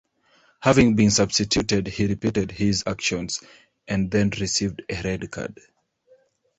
Having been substituted he repeated his actions and then received a red card.